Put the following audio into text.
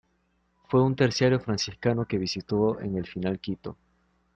Fue un Terciario Franciscano que visitó en el final Quito.